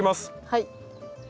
はい。